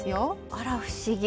あら不思議。